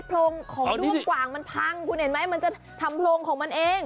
โรงของด้วงกว่างมันพังคุณเห็นไหมมันจะทำโพรงของมันเอง